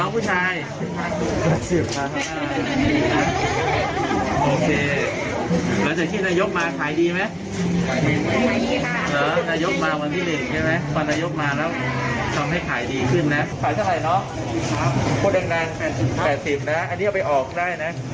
พูดแรง๘๐นะอันนี้เอาไปออกได้นะ